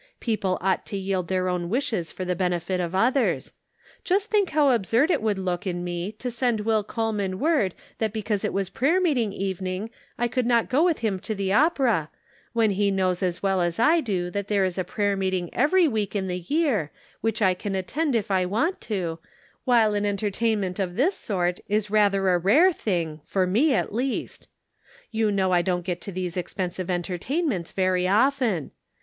Peo ple ought to yield their own wishes for the 216 The Pocket Measure. benefit of others. Just think how absurd it would look in me to send Will Coleman word that because it was prayer meeting evening I could not go with him to the opera, when he knows as well as I do that there is prayer meeting every week in the year, which I can attend if I want to, while an entertainment of this sort is rather a rare thing for me, at least. You know I don't get to these expensive enter tainments very often.